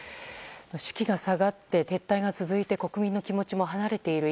士気が下がって撤退が続いて国民の気持ちも離れている